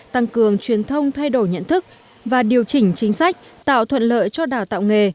tăng cường truyền thông thay đổi nhận thức và điều chỉnh chính sách tạo thuận lợi cho đào tạo nghề